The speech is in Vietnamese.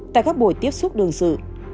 tại các buổi tiếp xúc đơn sự